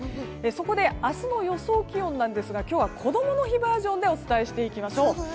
そこで明日の予想気温なんですが今日はこどもの日バージョンでお伝えしていきましょう。